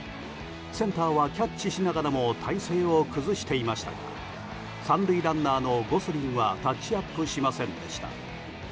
センターはキャッチしながらも体勢を崩していましたが３塁ランナーのゴスリンはタッチアップしませんでした。